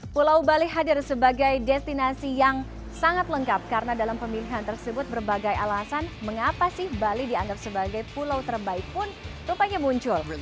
pulau bali hadir sebagai destinasi yang sangat lengkap karena dalam pemilihan tersebut berbagai alasan mengapa sih bali dianggap sebagai pulau terbaik pun rupanya muncul